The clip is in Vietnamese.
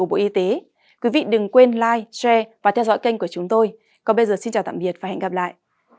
bộ y tế vừa có báo cáo cho hay